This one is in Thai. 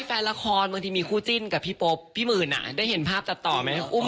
แฟนละครเคือคือจิ้นกับปรจิ้นพี่ป๊อบพี่หมื่นก็ได้เห็นภาพจัดต่อไหม